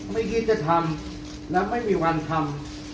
ไม่คิดจะทำและไม่มีวันทำ